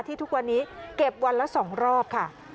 ทุกวันนี้เก็บวันละ๒รอบค่ะ